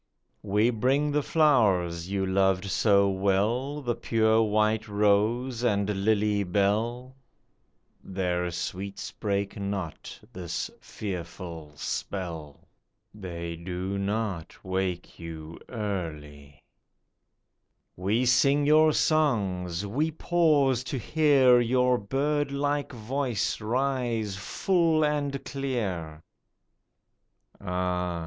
We bring the flowers you loved so well, The pure white rose and lily bell ; Their sweets break not this fearful spell ; They do not wake you early ! WAKENING EARLY 91 We sing your songs ; we pause to hear Your bird like voice rise full and clear ; Ah